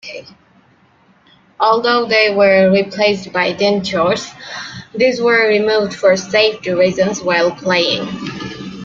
Although they were replaced by dentures, these were removed for safety reasons while playing.